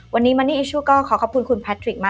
วันนี้ขอบคุณค่ะ